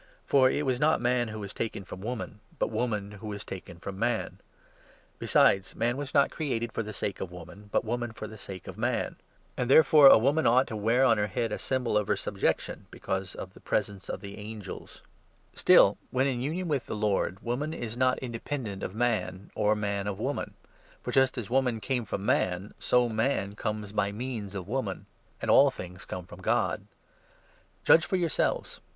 For it was not man who was taken from 8 woman, but woman who was taken from man. Besides, man 9 was not created for the sake of woman, but woman for the sake of man. And, therefore, a woman ought to wear on her head 10 a symbol of her subjection, because of the presence of the 33 Deut. 32. ai. 26 Ps. 24. i. 7 Gen. 5. i. M 322 I. CORINTHIANS, 11. angels. Still, when in union with the Lord, woman is not n independent of man, or man of woman ; for just as woman 12 came from man, so man comes by means of woman ; and all things come from God. Judge for yourselves.